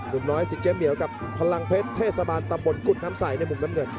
ุ่มน้อยสิงเจ๊เหมียวกับพลังเพชรเทศบาลตำบลกุฎน้ำใสในมุมน้ำเงิน